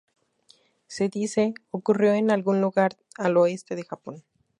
Se dice, ocurrió en algún lugar al oeste de Japón.